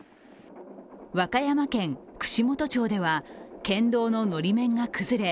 和歌山県串本町では県道ののり面が崩れ